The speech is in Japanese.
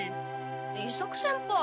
伊作先輩。